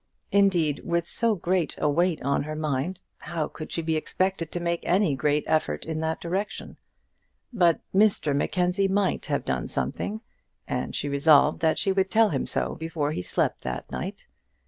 Indeed, with so great a weight on her mind, how could she be expected to make any great effort in that direction? But Mr Mackenzie might have done something, and she resolved that she would tell him so before he slept that night.